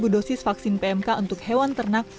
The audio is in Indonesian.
sepuluh dosis vaksin pmk untuk hewan ternak